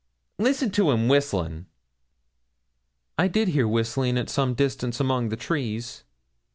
Listen to him whistlin'.' 'I did hear whistling at some distance among the trees.'